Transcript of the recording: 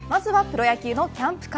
まずはプロ野球のキャンプから。